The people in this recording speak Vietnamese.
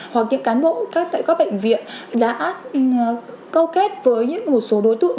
hoặc những cán bộ tại các bệnh viện đã câu kết với một số đối tượng